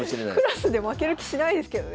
クラスで負ける気しないですけどね。